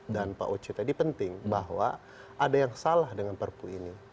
dan pak oce tadi penting bahwa ada yang salah dengan perpu ini